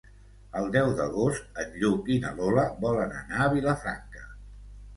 El deu d'agost en Lluc i na Lola volen anar a Vilafranca.